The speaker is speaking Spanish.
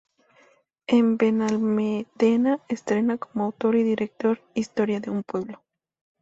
En Benalmádena estrena como autor y director "Historia de un pueblo.